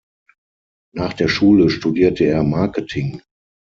Nach der Schule studierte er Marketing.